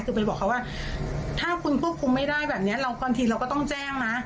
คือไปบอกเขาว่าถ้าคุณควบคุมไม่ได้แบบนี้เราบางทีเราก็ต้องแจ้งนะ